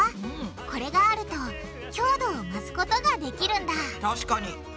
これがあると強度を増すことができるんだ確かに。